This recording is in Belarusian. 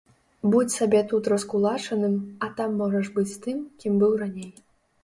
Будзь сабе тут раскулачаным, а там можаш быць тым, кім быў раней.